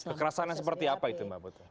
kekerasan yang seperti apa itu mbak